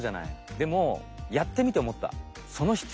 でもやってみておもった。